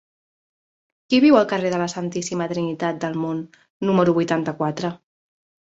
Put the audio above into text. Qui viu al carrer de la Santíssima Trinitat del Mont número vuitanta-quatre?